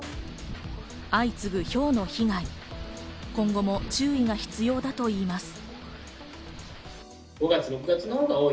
相次ぐひょうの被害、今後も注意が必要だといいます。